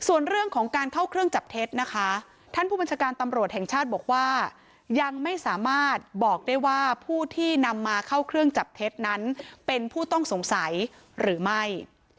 ส่วนเรื่องของการเข้าเครื่องจับเท็จนะคะท่านผู้บัญชาการตำรวจแห่งชาติบอกว่ายังไม่สามารถบอกได้ว่าผู้ที่นำมาเข้าเครื่องจับเท็จนั้นเป็นผู้ต้องสงสัยหรือไม่